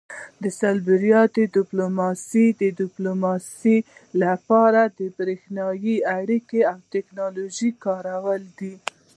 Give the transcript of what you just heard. سایبر ډیپلوماسي د ډیپلوماسي لپاره د بریښنایي اړیکو او ټیکنالوژۍ کارول دي